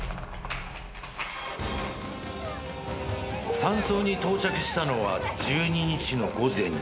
山荘に到着したのは１２日の午前２時。